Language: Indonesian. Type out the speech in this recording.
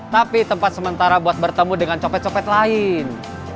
tapi tempat sementara buat bertemu dengan copet copet lain